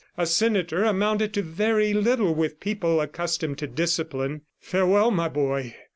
A senator amounted to very little with people accustomed to discipline. "Farewell, my boy!